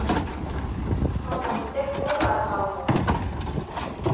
Ɣḍel-d agur ɣer terbut.